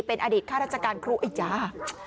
เป็นอดิษฐ์ข้าราชการครูไอ้ยา